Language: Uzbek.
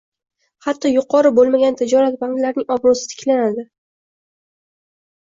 Hatto yuqori bo'lmagan tijorat banklarining obro'si tiklanadi